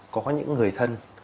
có những người thân